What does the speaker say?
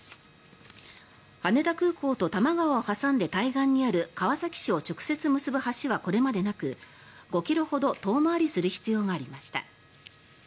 羽田空港と多摩川を挟んで対岸にある川崎市を直接結ぶ橋はこれまでなく５ｋｍほど遠回りする必要がありました。